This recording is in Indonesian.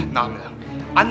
nah nah nah